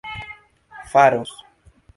faros